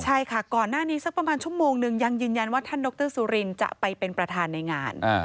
ใช่ค่ะก่อนหน้านี้สักประมาณชั่วโมงนึงยังยืนยันว่าท่านดรสุรินจะไปเป็นประธานในงาน